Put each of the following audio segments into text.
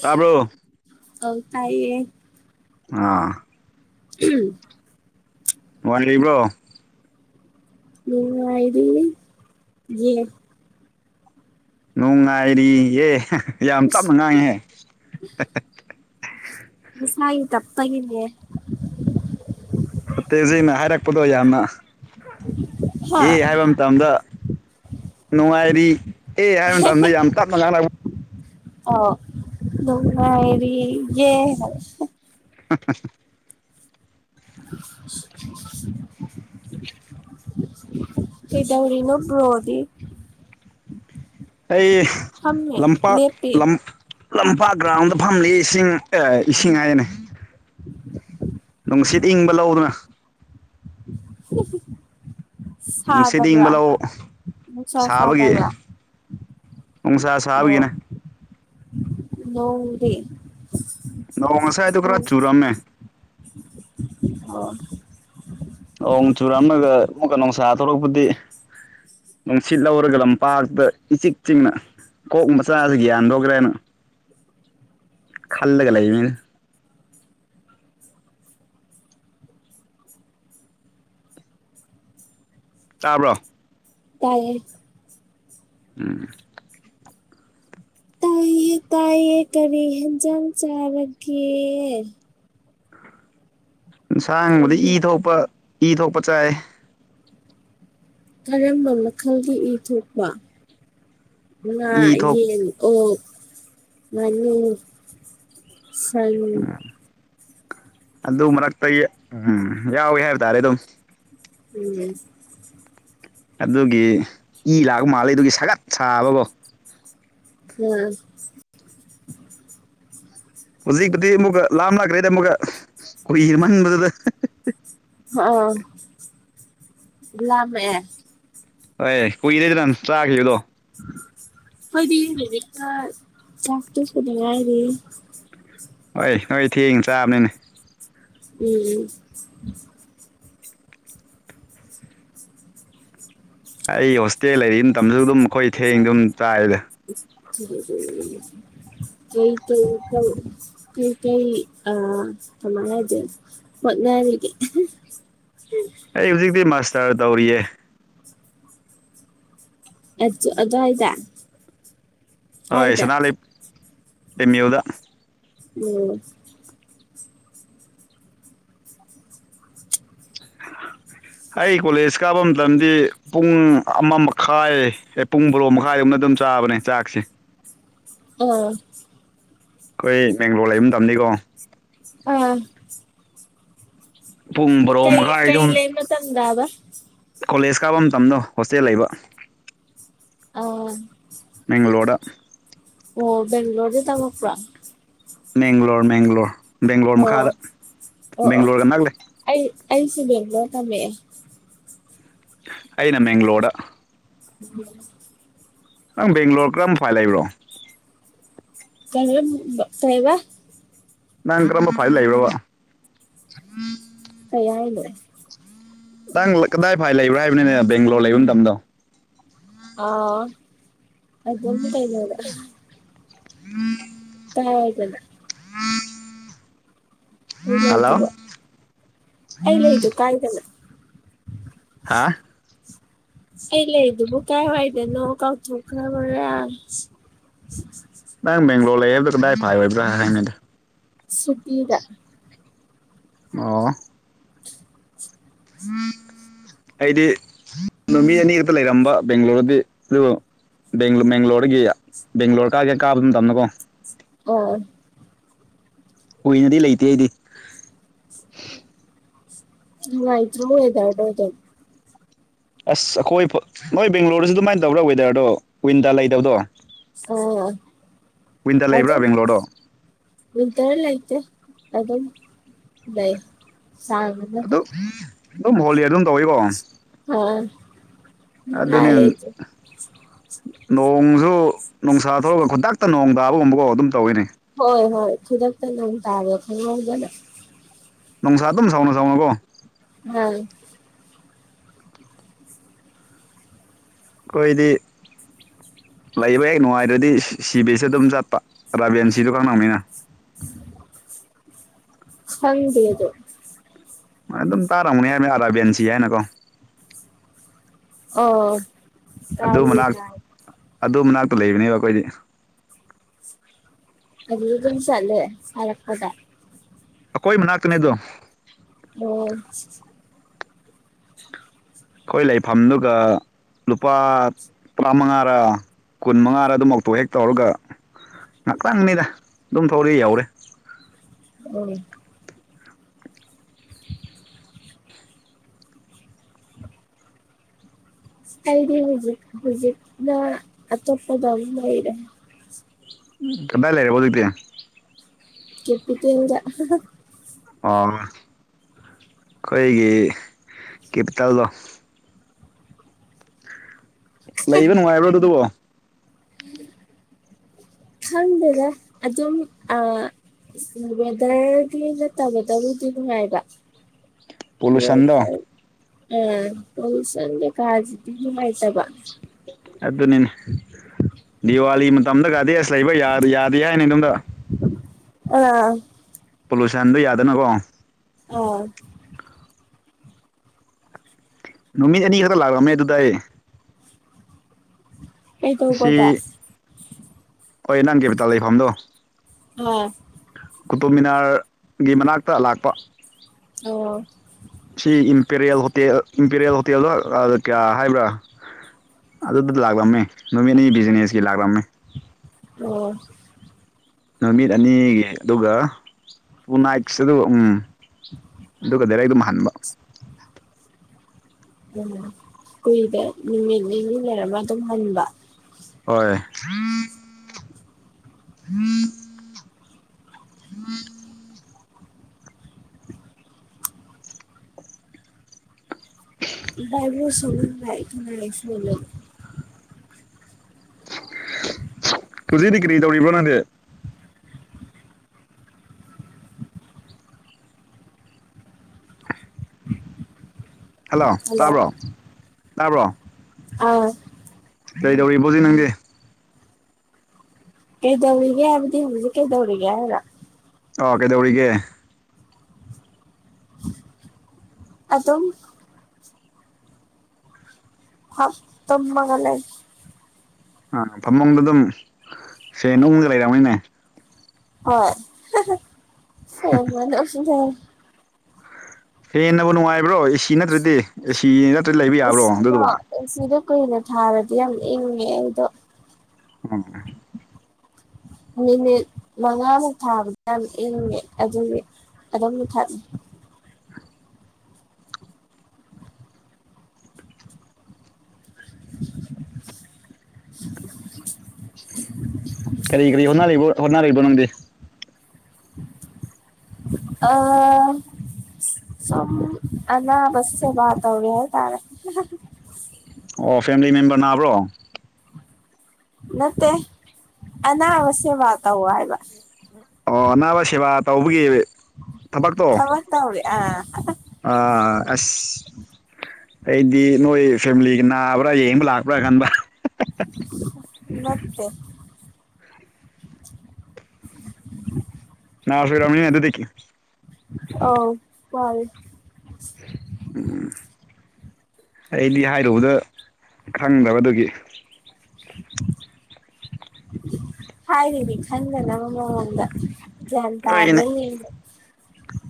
ꯇꯥꯕ꯭ꯔꯣ ꯑꯧ ꯇꯥꯏꯌꯦ ꯑ ꯎꯝ ꯋꯥꯟꯕ꯭ꯔꯣ ꯅꯨꯡꯉꯥꯏꯔꯤꯌ‌ꯦ ꯅꯨꯡꯉꯥꯏꯔꯤ ꯑꯦ ꯌꯥꯝ ꯏꯁ ꯇꯞꯅ ꯉꯥꯡꯍꯦ ꯍꯁꯥꯏ ꯇꯞꯒꯦ ꯇꯦꯖꯤꯅ ꯍꯥꯏꯔꯛꯄꯗꯣ ꯌꯥꯝꯅ ꯍꯥ ꯑꯦ ꯍꯥꯏꯕ ꯃꯇꯝꯗ ꯅꯨꯡꯉꯥꯏꯔꯤ ꯑꯦ ꯍꯥꯏꯕ ꯃꯇꯝꯗ ꯌꯥꯝ ꯇꯞꯅ ꯀꯥꯟꯅꯕ ꯑꯣꯥꯎꯔꯤ ꯌꯦꯦ [inaudible] [inaudible] ꯀꯩꯗꯧꯔꯤꯅꯣ ꯄ꯭ꯔꯣꯗꯤ ꯑꯩ ꯐꯝꯃꯦ ꯂꯝꯄꯥꯛ ꯂꯦꯞꯄꯤ ꯂꯝ ꯂꯝꯄꯥꯛ ꯒ꯭ꯔꯥꯎꯟꯗ ꯐꯝꯂꯤ ꯏꯁꯤꯡ ꯏꯁꯤꯡ ꯍꯥꯏꯅꯦ ꯅꯨꯡꯁꯤꯠ ꯏꯪꯕ ꯂꯧꯗꯨꯅ ꯅꯨꯡꯁꯤꯠ ꯁꯥꯗꯕ꯭ꯔꯥ ꯏꯪꯕ ꯂꯧ ꯅꯨꯡꯁꯥ ꯁꯥꯕꯒꯤ ꯁꯥꯗꯕ꯭ꯔꯥ ꯅꯨꯡꯁꯥ ꯁꯥꯕꯒꯤꯅꯦ ꯑꯣ ꯅꯧꯔꯤ ꯅꯣꯡ ꯉꯁꯥꯏꯗꯣ ꯈꯔ ꯆꯨꯔꯝꯃꯦ ꯍ ꯅꫭꯡ ꯆꯨꯔꯝꯃꯒ ꯑꯃꯒ ꯑꯃꯨꯛꯀ ꯅꯨꯡꯁꯥ ꯊꯣꯛꯔꯛꯄꯗꯤ ꯅꯨꯡꯁꯤꯠ ꯂꯧꯔꯒ ꯂꯝꯄꯥꯛꯇ ꯏꯆꯤꯛ ꯆꯤꯡꯅ ꯀꯣꯛ ꯃꯆꯥꯁꯤ ꯌꯥꯟꯗꯣꯛꯈ꯭ꯔꯦꯅ ꯈꯜꯂꯒ ꯂꯩꯕꯅꯤꯅ ꯇꯥꯕ꯭ꯔꯣ ꯇꯥꯏꯌꯦ ꯎꯝ ꯇꯌꯦ ꯇꯥꯏꯌꯦ ꯀꯔꯤ ꯍꯦꯟꯖꯥꯡ ꯆꯥꯔꯒꯦ ꯁꯥꯡꯕꯗ ꯀꯔꯤ ꯏ ꯊꯣꯛꯄ ꯏ ꯊꯣꯛꯄ ꯆꯥꯏ ꯀꯔꯝꯕ ꯃꯈꯜꯒꯤ ꯏ ꯊꯣꯛꯄ ꯉꯥ ꯏ ꯊꯣꯛ ꯌꯦꯟ ꯑꯣ ꯃꯥꯅꯤ ꯎ ꯑꯗꯨ ꯃꯔꯛꯇ ꯎꯝ ꯌꯥꯎꯋꯦ ꯍꯥꯏꯕ ꯇꯥꯔꯦ ꯑꯗꯨꯝ ꯎꯝ ꯑꯗꯨꯒꯤ ꯏ ꯂꯥꯛꯄ ꯃꯥꯂꯦ ꯑꯗꯨꯒꯤ ꯁꯥꯒꯠ ꯁꯥꯕꯀꯣ ꯎꯝ ꯍꯧꯖꯤꯛꯄꯨꯗꯤ ꯑꯃꯨꯛꯀ ꯂꯥꯝ ꯂꯥꯛꯇ꯭ꯔꯦꯗ ꯑꯃꯨꯛꯀ ꯀꯈꯏ ꯃꯟꯕꯗꯨꯗ ꯑ ꯏ ꯂꯃꯦꯃꯦ ꯍꯣꯏ ꯀꯨꯏꯔꯩꯗꯅ ꯅ ꯆꯥꯈꯤꯕꯗꯣ ꯐꯗꯤ ꯍꯧ ꯆꯥꯛꯇ ꯈꯨꯗꯅꯏꯔꯤꯦ ꯍꯣꯏ ꯅꯣꯏ ꯊꯦꯡ ꯆꯥꯕꯅꯤꯅꯦ ꯎꯝ ꯎꯝ ꯑꯩ ꯍꯣꯁꯇꯦꯜ ꯂꯩꯔꯤ ꯃꯇꯝꯁꯨ ꯑꯗꯨꯝ ꯑꯩꯈꯣꯏ ꯊꯦꯡ ꯑꯗꯨꯝ ꯆꯥꯏꯗ ꯎ ꯍ ꯀꯩ ꯀꯩ ꯀꯩ ꯀꯩ ꯀꯩ ꯑ ꯀꯥꯏꯖ ꯍ ꯉꯕꯦ ꯑꯩ ꯍꯧꯖꯤꯛꯇꯤ ꯃꯥꯁꯇꯔ ꯇꯧꯔꯤꯌꯦ ꯑꯗꯨꯋꯥꯏꯗ ꯍꯣꯏ ꯀꯥꯏꯗ ꯁꯅꯥꯍ ꯂꯩ ꯇꯦꯝ ꯌꯨꯗ ꯎꯝ [inaudible] ꯑꯩ ꯀꯣꯂꯦꯖ ꯀꯥꯕ ꯃꯇꯝꯗꯤ ꯄꯨꯡ ꯑꯃ ꯃꯈꯥꯏ ꯑꯦ ꯄꯨꯡ ꯐꯣꯔꯣ ꯃꯈꯥꯏꯗꯣꯝꯅ ꯑꯗꯨꯝ ꯆꯥꯕꯅꯦ ꯆꯥꯛꯁꯦ ꯑꯣ ꯑꯩꯈꯣꯏ ꯕꯦꯡꯒ꯭ꯂꯣꯔ ꯂꯩꯕ ꯇꯝꯅꯤꯀꯣ ꯑꯥ ꯄꯨꯡ ꯕꯔꯣ ꯀꯩ ꯀꯩ ꯃꯈꯥꯏꯗꯝ ꯂꯩ ꯃꯇꯝꯗꯕ ꯀꯣꯂꯦꯖ ꯀꯥꯕ ꯃꯇꯝꯗꯣ ꯍꯣꯁꯇꯦꯜ ꯂꯩꯕ ꯑ ꯅꯤꯡꯣꯗ ꯑꯣ ꯕꯦꯡꯒꯂꯣꯔꯗꯤ ꯇꯥꯃꯛꯛꯄ꯭ꯔꯥ ꯕꯦꯡꯒ꯭ꯂꯣꯔ ꯃꯦꯡꯒ꯭ꯂꯣꯔ ꯕꯦꯡꯒꯡꯂꯣꯔ ꯑꯣ ꯃꯈꯥꯗ ꯕꯦꯡꯒ꯭ꯂꯣꯔꯒ ꯅꯛꯂꯦ ꯑ ꯑꯜꯁꯤꯕꯦꯕ꯭ꯔ ꯀꯃꯦ ꯑꯩꯅ ꯃꯦꯡꯒ꯭ꯂꯣꯔꯗ ꯎꯝ ꯅꯪ ꯕꯦꯡꯒ꯭ꯂꯣꯔ ꯀꯔꯝ ꯐꯥꯏ ꯂꯩꯕ꯭ꯔꯣ ꯀꯩꯅ ꯀꯕ ꯅꯪ ꯀꯔꯝꯕ ꯐꯥꯏꯜ ꯂꯩꯕꯕꯥ ꯀꯩ ꯍꯥꯏꯂ ꯀꯗꯥꯏ ꯐꯥꯏ ꯂꯩꯕ꯭ꯔꯥ ꯍꯥꯏꯕꯅꯤꯅꯦ ꯕꯦꯡꯒ꯭ꯂꯣꯔ ꯂꯩꯕ ꯃꯇꯝꯗꯣ ꯑ ꯑꯗꯨ ꯀꯩꯩꯅꯗ ꯎꯝ ꯍꯗꯤ ꯍꯜꯂꯣ ꯏꯂ ꯏꯗꯨꯒꯂ ꯏ ꯀꯥꯏꯗꯅ ꯍꯥ [inaudible] ꯑꯩ ꯂꯩꯗꯨꯕꯨꯣ ꯀꯥꯏ ꯍꯥꯏꯥꯏꯗ ꯅ ꯀꯥꯎ ꯊ ꯈꯔꯕꯔꯦ ꯅꯪ ꯕꯦꯡ꯭ꯂꯣꯔ ꯂꯩ ꯍꯥꯏꯕꯗꯨꯣ ꯗꯥꯏꯐꯥꯏ ꯑꯣꯏꯕ꯭ꯔ ꯍꯥꯏꯅꯗꯦ ꯁꯨꯄꯔ ꯑꯣ ꯑ ꯑꯩꯗꯤ ꯅꯨꯃꯤ ꯑꯅꯤ ꯈꯛꯇ ꯂꯩꯔꯝꯕ ꯕꯦꯡꯒꯂꯣꯔꯗꯤ ꯑꯗꯨꯕꯨ ꯕ ꯕꯦꯡꯒ꯭ꯂꯣꯔꯒꯤ ꯕꯦꯡꯒ꯭ꯂꯣꯔ ꯀꯥꯒ ꯀꯥꯕ ꯑꯗꯨꯝ ꯇꯝꯅꯀꯣ ꯑ ꯀꯨꯏꯅꯗꯤ ꯂꯩꯇꯦ ꯑꯩꯗꯤ ꯍꯅꯨꯡꯣꯏꯥꯏ꯭ꯔꯣ ꯑꯣꯏꯔꯣꯗ ꯑꯁ ꯑꯩꯈꯣꯏ ꯅꯣꯏ ꯕꯦꯡꯒ꯭ꯂꯣꯔꯁꯨ ꯑꯗꯨꯃꯥꯏꯅ ꯇꯧꯕ꯭ꯔꯥ ꯋꯦꯗꯔꯗꯣ ꯋꯤꯟꯗ ꯂꯩꯗꯕꯗꯣ ꯋꯤꯟꯇꯔ ꯑ ꯂꯩꯕ꯭ꯔꯥ ꯑꯗ ꯕꯦꯡꯒ꯭ꯂꯣꯔꯗꯣ ꯏꯟ ꯇꯔꯂꯥꯏꯇ ꯑ ꯑꯃꯗ ꯑꯗꯨ ꯑꯗꯨꯝ ꯍꯣꯜꯂꯤ ꯑꯗꯨꯝ ꯇꯧꯋꯀꯣ ꯑꯥ ꯑꯗꯨꯅꯦ ꯅꯨꯡꯉꯥꯏꯌꯦ ꯑꯗꯨꯝ ꯅꯣꯡꯁꯨ ꯅꯨꯡꯁꯥ ꯊꯣꯛꯂꯒ ꯈꯨꯇꯛꯇ ꯅꯣꯡ ꯇꯥꯕꯒꯨꯝꯕꯀꯧ ꯑꯗꯨꯝ ꯇꯧꯋꯅꯤ ꯍꯣꯏ ꯍꯣꯏ ꯈꯨꯗꯛꯇ ꯑꯗꯨ ꯇꯥꯔꯣ ꯈꯪꯉꯧꯒꯅ ꯅꯨꯡꯁꯥ ꯑꯗꯨꯝ ꯁꯥꯎꯅ ꯁꯥꯎꯅꯀꯣ ꯎꯝ ꯑꯩꯣꯏꯗꯤ ꯂꯩꯕ ꯍꯦꯛ ꯅꯨꯡꯉꯥꯏꯔ꯭ꯔꯗꯤ ꯁꯤꯕꯤꯁꯦ ꯑꯗꯨꯝ ꯆꯠꯄ ꯔꯥꯕꯦꯟ ꯁꯤꯗꯣ ꯈꯔ ꯅꯪꯅꯤꯅ ꯍꯪ ꯑꯗꯨ ꯑꯗꯨ ꯃ ꯑꯗꯨꯝ ꯇꯥꯔꯝꯅꯤ ꯍꯥꯏꯕ ꯑꯔꯥꯕꯦꯟꯁꯤ ꯍꯥꯏꯅꯀꯣ ꯑꯣ ꯑꯗꯨ ꯃꯅꯥꯛ ꯑꯗꯨ ꯃꯅꯥꯛꯇ ꯂꯩꯕꯅꯦꯕ ꯑꯩꯈꯣꯏꯗꯤ ꯑꯗꯨꯗ ꯑꯗꯨꯝ ꯆꯠꯂꯦ ꯁꯥꯠꯂꯛꯄꯗ ꯑꯩꯈꯣꯏ ꯃꯅꯥꯛꯇꯅꯤꯗꯣ ꯑꯣ ꯑꯩꯈꯣꯏ ꯂꯩꯐꯝꯗꯨꯒ ꯂꯨꯄꯥ ꯇꯔꯥ ꯃꯉꯥꯔ ꯀꯨꯟ ꯃꯉꯥꯔ ꯑꯗꯨꯃꯛꯇꯣ ꯍꯦꯛ ꯇꯧꯔꯒ ꯉꯥꯏꯥꯛꯇꯥꯡꯅꯤꯗ ꯑꯗꯨꯝ ꯇꯧꯔ ꯌꯥꯎꯔꯦ ꯎꯝ ꯗꯤ ꯍꯧꯖꯤꯛ ꯍꯧꯖꯤꯛ ꯅ ꯑꯇꯣꯞꯄꯗ ꯑꯣꯏꯔꯦ ꯀꯗꯥꯏ ꯂꯩꯔꯦꯕꯣ ꯍꯧꯖꯤꯛꯇꯤ ꯀꯦꯞꯤꯇꯗ ꯑꯣ ꯑꯩꯈꯣꯏꯒꯤ ꯀꯦꯄꯤꯇꯥꯜꯗꯣ ꯂꯩꯕ ꯅꯨꯡꯉꯥꯏꯕ꯭ꯔꯣ ꯑꯗꯨꯗꯨꯕꯣ ꯍꯪꯗꯔꯦ ꯑꯗꯨ ꯑꯗꯨꯝ ꯑ ꯋꯦꯗꯔꯒꯤ ꯅꯠꯇꯕꯇꯕꯨꯗꯤ ꯅꯨꯡꯉꯥꯏꯕ ꯋꯥꯣꯏ ꯄꯣꯂꯨꯁꯟꯗꯣ ꯆꯔ [unintelligible] ꯑ ꯄꯣꯁꯦ ꯀꯥꯖꯗꯤ ꯍꯥꯏꯥꯏ ꯇꯕ ꯑꯗꯨ ꯑꯗꯨ ꯅꯅꯦ ꯗꯤꯋꯥꯂꯤ ꯃꯇꯝꯗꯒꯗꯗꯤ ꯑꯁ ꯂꯩꯕ ꯌꯥ ꯌꯥꯗꯦ ꯍꯥꯏꯅꯤ ꯅꯝꯗ ꯑ ꯄꯣꯂꯨꯁꯟꯗꯨꯣ ꯌꯥꯗꯅꯀꯣ ꯑꯥ ꯅꯨꯃꯤꯠ ꯑꯅꯤ ꯈꯛꯇꯛ ꯂꯥꯛꯑꯝꯃꯦ ꯑꯗꯨꯗ ꯑꯩ ꯁꯤ ꯀꯩꯗꯧꯕꯗ ꯍꯣꯏ ꯅꯍꯥꯟ ꯀꯦꯄꯤꯇꯥꯜ ꯂꯩꯐꯝꯗꯣ ꯑ ꯀꯨꯇꯣꯃꯤꯅꯥꯔꯒꯤ ꯃꯅꯥꯛꯇ ꯂꯥꯛꯄ ꯑꯣ ꯁꯤ ꯏꯝꯄꯦꯔꯤꯌꯦꯜ ꯍꯣꯇꯦꯜ ꯏꯝꯄꯦꯔꯤꯌꯦꯜ ꯍꯣꯇꯦꯜꯗꯣ ꯀꯌꯥ ꯍꯥꯏꯕ꯭ꯔꯥ ꯑꯗꯨꯗ ꯂꯥꯛꯂꯝꯃꯤ ꯅꯨꯃꯤꯠꯅꯤ ꯕꯤꯖꯤꯅꯦꯁꯀꯤ ꯂꯥꯛꯂꯝꯃꯦ ꯑꯣ ꯅꯨꯃꯤꯠ ꯑꯅꯤꯒꯤ ꯑꯗꯨꯒ ꯇꯨ ꯅꯥꯏꯠꯁ ꯑꯗꯨ ꯎꯝ ꯑꯗꯨꯒ ꯗꯥꯔꯦꯛ ꯑꯗꯨꯝ ꯍꯟꯕ [inaudible] ꯑꯣ ꯀꯨꯏꯗ ꯅꯨꯃꯤꯠ ꯅꯤꯅꯤ ꯂꯩꯔꯃ ꯑꯗꯨꯝ ꯍꯟꯕ ꯍꯣꯏ ꯏꯕ ꯁ ꯂ ꯂꯩ ꯂꯩ ꯀꯨꯖꯤꯩ ꯒ꯭ꯔꯤ ꯇꯧꯔꯤꯕ꯭ꯔ ꯅꯠꯇꯦ [inaudible] ꯍꯜꯂꯣ ꯇꯥꯕ꯭ꯔꯣ ꯇꯥꯕ꯭ꯔꯣ ꯑꯥ ꯀꯩꯗꯧꯔꯤꯕꯣꯖꯤꯦ ꯅꯪꯗꯤꯦ ꯀꯩꯗꯧꯔꯤꯒꯦ ꯍꯥꯏꯕꯗꯤ ꯍꯧꯖꯤ ꯀꯩꯗꯧꯔꯤꯒꯦ ꯍꯥꯏꯔ ꯑ ꯀꯩꯗꯧꯔꯤꯒꯦ ꯑꯗꯨ ꯑꯗꯨ ꯍ ꯇꯝ ꯃꯒ ꯂꯩ ꯑꯥ ꯐꯃꯨꯡꯗ ꯑꯗꯨꯝ ꯁꯦ ꯅꯨꯡꯒ ꯂꯩꯔꯝꯅꯤꯅꯦ ꯍꯣꯏ ꯍꯦꯟꯅꯕꯨ ꯅꯨꯡꯉꯥꯏꯕ꯭ꯔꯣ ꯑꯦꯁꯤ ꯅꯠꯇ꯭ꯔꯗꯤ ꯑꯦꯁꯤ ꯅꯠꯇ꯭ꯔꯗꯤ ꯂꯩꯕ ꯌꯥꯕ꯭ꯔꯣ ꯑꯗꯨꯗꯨꯕꯨꯣ ꯁꯤꯗ ꯀꯨꯏꯅ ꯊꯥꯕꯗꯤ ꯌꯥꯝ ꯏꯪꯉꯦ ꯑꯩꯗꯣ ꯎꯝ ꯃꯤꯅꯤꯠ ꯃꯉꯥꯃꯨꯛ ꯊꯥꯕꯗ ꯌꯥꯝ ꯏꯡꯉꯦ ꯑꯗꯨꯒꯤ ꯑꯗꯨꯝ ꯃꯨ ꯊꯠꯂ ꯀꯔꯤ ꯀꯔꯤ ꯍꯣꯠꯅꯔꯤꯕꯕꯣ ꯍꯣꯠꯅ ꯂꯩꯔꯤꯕꯅꯣ ꯅꯪꯗꯤ ꯑ ꯁ ꯑꯅꯥꯕꯁꯦ ꯇ ꯍꯧꯔ ꯇꯥꯔꯦ ꯑꯣ ꯐꯦꯃꯤꯂꯤ ꯃꯦꯝꯕꯔ ꯅꯥꯕ꯭ꯔꯣ ꯅꯠꯇꯦ ꯑꯅꯥꯕꯁ꯭ ꯋꯥ ꯇꯧ ꯍꯥꯏꯕ ꯑꯣ ꯑꯅꯥꯕ ꯁꯦꯕꯥ ꯇꯧꯕꯒꯤ ꯊꯕꯛꯇꯣ ꯇꯧꯔꯤ ꯑ ꯑꯥ ꯑꯁ ꯑꯩꯗꯤ ꯅꯣꯏ ꯐꯦꯃꯤꯂꯤꯒꯤ ꯅꯥꯕ꯭ꯔꯥ ꯌꯦꯡꯕ ꯂꯥꯛꯄ꯭ꯔꯥ ꯈꯟꯕ꯭ꯔ ꯅꯠꯇꯦ [unintelligible] ꯐ ꯔꯃꯤꯅꯤ ꯑꯦ ꯑꯗꯨ ꯇꯦ ꯑ ꯍ ꯎꯝ ꯑꯩꯗꯤ ꯍꯥꯏꯔꯨꯕꯗ ꯈꯪꯗꯕ ꯑꯗꯨꯒꯤ ꯍꯥꯏꯗꯤ ꯈꯟ ꯅ ꯃꯃꯃꯒ ꯀꯌꯥ ꯇꯕ꯭ꯔꯦ ꯌꯦ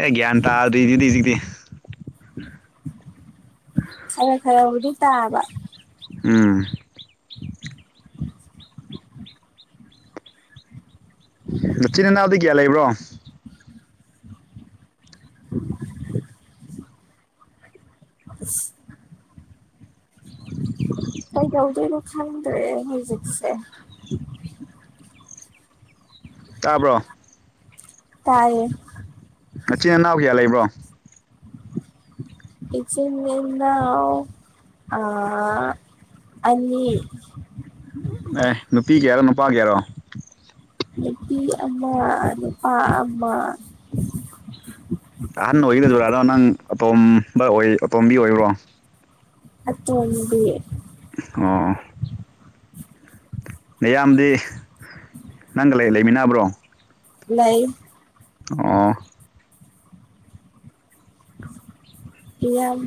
ꯍꯒꯤꯌꯥ ꯇ ꯑꯗꯨ ꯏꯗꯤ ꯁꯤꯗꯤ ꯑꯔ ꯈꯔꯕꯨꯗꯤ ꯇꯥꯕ ꯎꯝ ꯃꯆꯤꯟ ꯏꯅꯥꯎꯗ ꯀꯌꯥ ꯂꯩꯕ꯭ꯔꯣ [inaudible] ꯀꯥꯏꯗ ꯌꯎꯗ ꯏ ꯂꯣ ꯈꯥꯟ꯭ꯔꯦ ꯃꯖꯤꯛꯁꯦ ꯎ ꯇꯥꯕ꯭ꯔꯣ ꯇꯥꯏꯌꯦꯦ ꯃꯆꯤꯟ ꯏꯅꯥꯎ ꯀꯌꯥ ꯂꯩꯕ꯭ꯔꯣ ꯏꯆ ꯑ ꯑꯅꯤd ꯑꯦ ꯅꯨꯄꯤꯒꯤꯌꯥꯔꯣ ꯅꯨꯄꯥꯒꯤꯌꯥꯔꯣ ꯅꯨꯄꯤ ꯑꯃ ꯅꯨꯄꯥ ꯑꯃ ꯑꯍꯥꯟ ꯑꯣꯏꯒꯗꯔꯥꯗꯣ ꯅꯪ ꯑꯄꯣꯝꯕ ꯑꯣꯏ ꯑꯄꯣꯝꯕꯤ ꯑꯣꯏꯕ꯭ꯔꯣ ꯑꯠꯇꯕꯤ ꯑꯣ ꯃꯌꯥꯝꯗꯤ ꯅꯪꯒ ꯂꯩꯃꯤꯟꯅꯕ꯭ꯔꯣ ꯂꯩ ꯑꯣ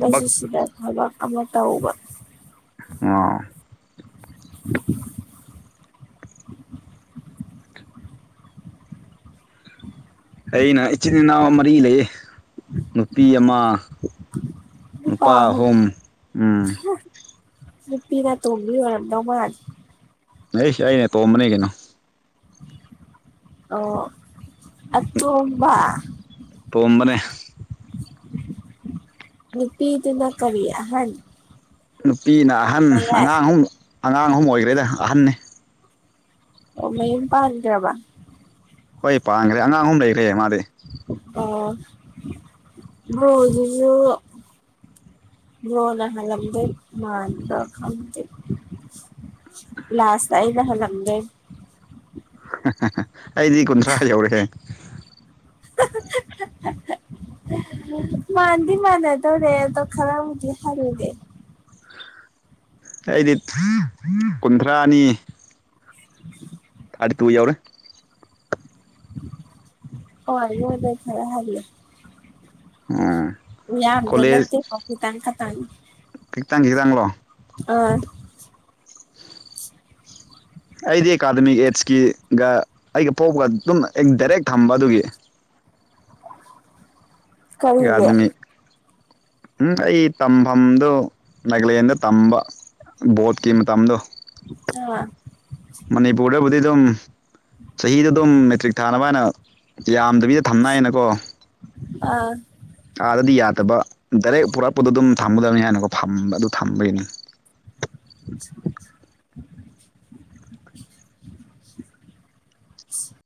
ꯊꯕꯛ ꯁꯤꯗ ꯊꯕꯛ ꯑꯃ ꯇꯧꯕ ꯑꯣ ꯎꯝ ꯑꯩꯅ ꯏꯆꯤꯟ ꯏꯅꯥꯎ ꯃꯔꯤ ꯂꯩꯌꯦ ꯅꯨꯄꯤ ꯑꯃ ꯅꯨꯄꯥ ꯑꯍꯨꯝ ꯎꯝ ꯅꯨꯄꯤꯅ ꯑꯇꯣꯡꯕꯤ ꯑꯣꯏꯔꯝꯗꯧ ꯑꯩ ꯑꯩꯅꯦ ꯇꯣꯝꯕꯅꯤ ꯀꯩꯅꯣ ꯑꯣ ꯑꯇꯣꯝꯕ ꯇꯣꯝꯕꯅꯦ ꯅꯨꯄꯤꯗꯨ ꯅ ꯀꯔꯤ ꯑꯍꯥꯜ ꯅꯨꯄꯤꯅ ꯑꯍꯟ ꯑꯉꯥꯡ ꯑꯍꯨꯝ ꯑꯉꯥꯡ ꯑꯍꯨꯝ ꯑꯣꯏꯈ꯭ꯔꯦꯗ ꯑꯍꯟꯅꯤ ꯑꯣ ꯃꯌꯨꯝ ꯄꯥꯟꯒ꯭ꯔꯕ ꯍꯣꯏ ꯄꯥꯡꯈ꯭ꯔꯦ ꯑꯉꯥꯡ ꯑꯍꯨꯝ ꯂꯩꯔꯦ ꯃꯥꯗꯤ ꯑꯣ ꯕ꯭ꯔꯣ ꯖꯤꯁꯨ ꯕꯔꯣꯅꯥ ꯍꯜꯂꯝꯗꯧ ꯀꯟꯕꯥ ꯈꯪꯗꯦ ꯂꯥꯁ ꯇꯥ ꯑꯩꯅ ꯍꯥꯜꯂꯝꯗꯣꯢꯅꯦ ꯑꯩꯗꯤ ꯀꯨꯟꯊ꯭ꯔꯥ ꯌꯧꯔꯦ [inaudible] ꯃꯥꯟꯗꯤ ꯃꯥꯅ ꯇꯧꯔꯦ ꯇꯣ ꯈꯔꯕꯨꯗꯤ ꯍꯥꯜꯂꯦ ꯑꯩꯗꯤ ꯀꯨꯟꯊ꯭ꯔꯥꯅꯤ [unintelligible] ꯑ ꯇꯨ ꯌꯥ ꯌꯧꯔꯦ [inaudible] ꯑꯣ ꯑꯩꯉꯣꯡꯗꯒꯤ ꯈꯔ ꯍꯥꯜꯂꯦ ꯑꯝ ꯌꯥꯝꯅ ꯅꯠꯇꯦ ꯈꯤꯇꯪ ꯈꯛꯇꯅꯦ ꯈꯤꯇꯪ ꯈꯤꯇꯪꯂꯣ ꯑꯥꯎ ꯑꯩꯗꯤ ꯑꯦꯀꯥꯗꯃꯤꯛ ꯑꯦꯗꯁꯀꯤꯒ ꯑꯩꯒ ꯄꯣꯛꯕꯒ ꯑꯗꯨꯝ ꯗꯥꯏꯔꯦꯛ ꯊꯝꯕ ꯑꯗꯨꯒꯤ ꯀꯔꯤꯒꯤ ꯑꯦꯛꯒꯗꯤꯃꯤꯛ [unintelligible] ꯎꯝ ꯑꯩ ꯇꯝꯐꯝꯗꯣ ꯅꯥꯒꯥꯂꯦꯟꯗ ꯇꯝꯕ ꯕꯣꯠꯀꯤ ꯃꯇꯝꯗꯣ ꯑꯥ ꯃꯅꯤꯄꯨꯔꯗꯕꯨꯗꯤ ꯑꯗꯨꯝ ꯆꯍꯤꯗ ꯑꯗꯨꯝ ꯃꯦꯇ꯭ꯔꯤꯛ ꯊꯥꯅꯕ ꯍꯥꯏꯅ ꯌꯥꯝꯗꯕꯤꯗ ꯊꯝꯅꯥꯏꯌꯦꯅꯀꯣ ꯑꯥ ꯑꯥꯗꯗꯤ ꯌꯥꯗꯕ ꯗꯥꯏꯔꯦꯛ ꯄꯨꯔꯛꯄꯗꯣ ꯑꯗꯨꯝ ꯊꯝꯒꯗꯕꯅꯤ ꯍꯥꯏꯅꯀꯣ ꯐꯝꯕ ꯑꯗꯨ ꯊꯝꯕꯒꯤꯅꯤ [unintelligible]